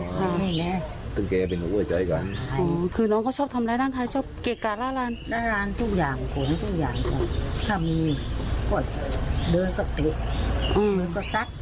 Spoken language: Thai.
๓คนทุกอย่างค่ะถ้ามีปวดเดินก็ปลุกหรือก็ซัก